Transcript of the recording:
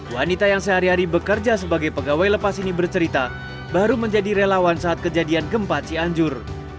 wanita yang sehari hari bekerja sebagai pegawai lepas ini bercerita baru menjadi relawan saat kejadian gempa cianjur